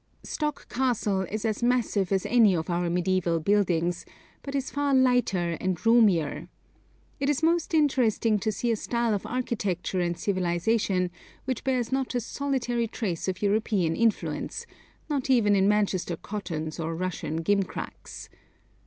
Stok Castle is as massive as any of our mediaeval buildings, but is far lighter and roomier. It is most interesting to see a style of architecture and civilisation which bears not a solitary trace of European influence, not even in Manchester cottons or Russian gimcracks.